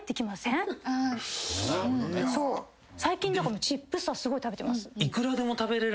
最近チップスターすごい食べてます。